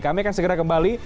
kami akan segera kembali